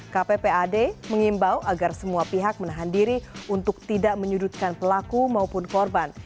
kppad mengimbau agar semua pihak menahan diri untuk tidak menyudutkan pelaku maupun korban